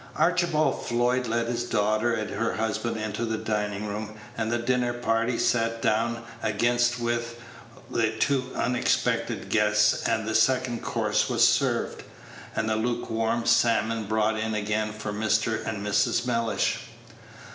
Archibald Floyd led his daughter and her husband into the dining room, and the dinner party sat down against with the two unexpected guests, and the second course was served, and the lukewarm salmon brought in again for Mr. and Mrs. Mellish.